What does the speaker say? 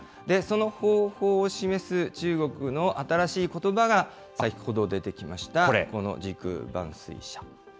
その方法を示す中国の新しいことばが、先ほど出てきました、この、時空伴随者。